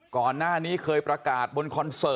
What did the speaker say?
ก่อนหน้านี้เคยประกาศบนคอนโซเชียล